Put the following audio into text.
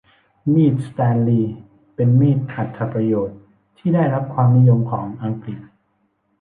มีดสแตนลีย์เป็นมีดอรรถประโยชน์ที่ได้รับความนิยมของอังกฤษ